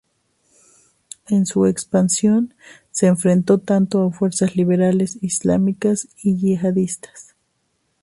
En su expansión se enfrentó tanto a fuerzas liberales, islamistas y yihadistas.